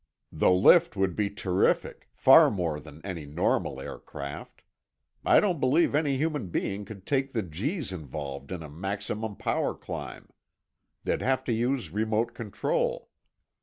"The lift would be terrific, far more than any normal aircraft. I don't believe any human being could take the G's involved in a maximum power climb; they'd have to use remote control.